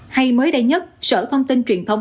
hay mới đây nhất sở thông tin truyền thông